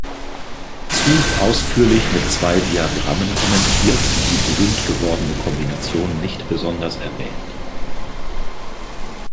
Zug ausführlich mit zwei Diagrammen kommentiert und die berühmt gewordene Kombination nicht besonders erwähnt.